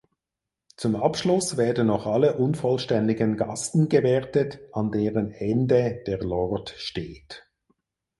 Zum Abschluss werden noch alle unvollständigen Gassen gewertet an deren Ende der Lord steht.